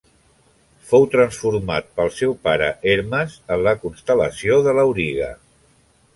Fou transformat pel seu pare Hermes en la constel·lació de l'Auriga.